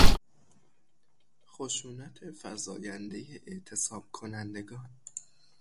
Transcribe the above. خشونت فزایندهی اعتصابکنندگان